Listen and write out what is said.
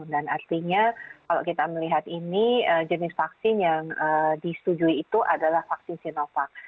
artinya kalau kita melihat ini jenis vaksin yang disetujui itu adalah vaksin sinovac